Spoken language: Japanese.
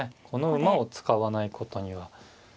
この馬を使わないことには。